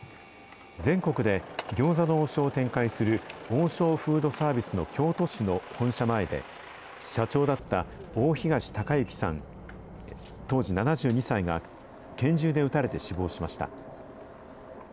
全国で餃子の王将を展開する王将フードサービスの京都市の本社前で、社長だった大東隆行さん当時７２歳が、拳銃で撃たれて死亡しました。